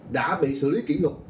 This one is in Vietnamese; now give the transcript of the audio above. đã bị xử lý kỷ lục